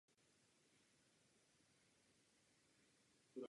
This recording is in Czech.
Inspirací byl studentům tehdy populární pařížský klub Standard de Paris.